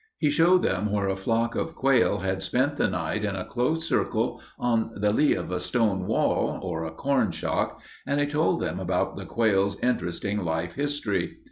He showed them where a flock of quail had spent the night in a close circle on the lee of a stone wall or a corn shock and he told them about the quail's interesting life history.